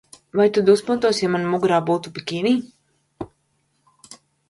Vai tu dusmotos, ja man mugurā būtu bikini?